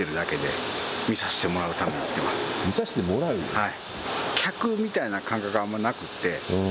はい。